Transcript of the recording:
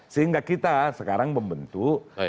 sehingga kita sekarang membentuknya